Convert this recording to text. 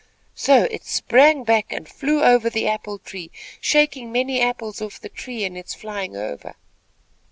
"So it sprang back and flew over the apple tree, shaking many apples off the tree in its flying over.